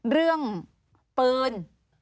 เรื่องปืน